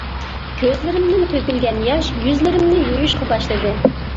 كۆزلىرىمدىن تۆكۈلگەن ياش يۈزلىرىمنى يۇيۇشقا باشلىدى.